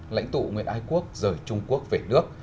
lãnh tụ nguyễn ái quốc rời trung quốc về nước